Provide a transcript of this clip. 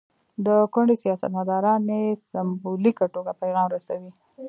د کونډې سیاستمداران یې سمبولیکه توګه پیغام رسوي.